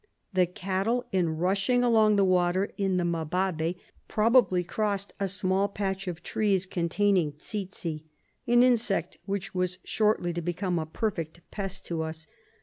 "The cattle, in rushing along the water in the Mababe, probably crossed a small patch of trees containing tsetse, an insect which was shortly to become a perfect pest to us."